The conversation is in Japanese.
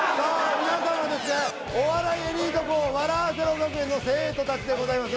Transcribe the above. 皆さんはですねお笑いエリート校笑アセろ学園の生徒達でございます